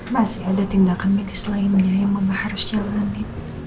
masih ada tindakan mitis lainnya yang mama harus jalani